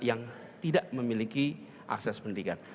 yang tidak memiliki akses pendidikan